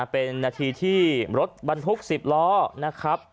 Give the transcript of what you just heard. เป็นนาทีที่รถบรรทุก๑๐ล้อนะครับ